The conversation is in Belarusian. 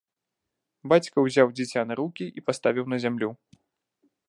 Бацька ўзяў дзіця на рукі і паставіў на зямлю.